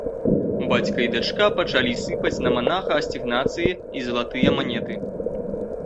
Бацька і дачка пачалі сыпаць на манаха асігнацыі і залатыя манеты.